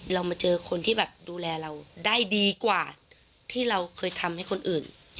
เรามาเจอคนที่แบบดูแลเราได้ดีกว่าที่เราเคยทำให้คนอื่น